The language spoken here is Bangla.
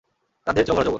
তার দেহে ছিল ভরা যৌবন।